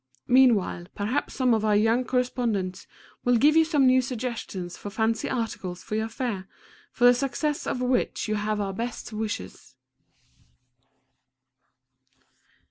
Meanwhile perhaps some of our young correspondents will give you some new suggestions for fancy articles for your fair, for the success of which you have our best wishes.